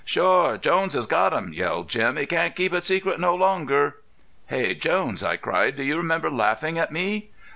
"Shore, Jones has got 'em!" yelled Jim. "He can't keep it a secret no longer." "Hey, Jones," I cried, "do you remember laughing at me?"